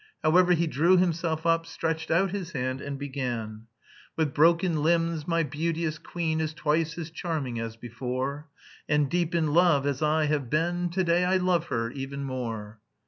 However, he drew himself up, stretched out his hand, and began: "With broken limbs my beauteous queen Is twice as charming as before, And, deep in love as I have been, To day I love her even more."